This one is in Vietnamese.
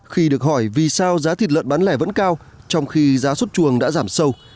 khi được hỏi vì sao giá thịt lợn bán lẻ vẫn cao trong khi giá xuất chuồng đã giảm sâu